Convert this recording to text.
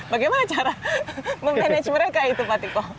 bagaimana cara memanage mereka itu pak tiko